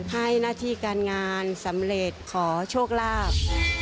ให้หน้าที่การงานสำเร็จขอโชคลาภ